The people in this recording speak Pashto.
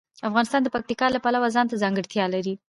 افغانستان د پکتیکا د پلوه ځانته ځانګړتیا لري.